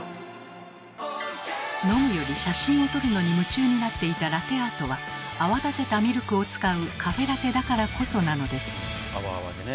飲むより写真を撮るのに夢中になっていたラテアートは泡立てたミルクを使うカフェラテだからこそなのです。